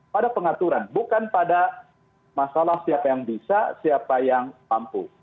pada pengaturan bukan pada masalah siapa yang bisa siapa yang mampu